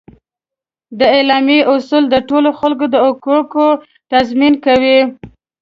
د اعلامیه اصول د ټولو خلکو د حقوقو تضمین کوي.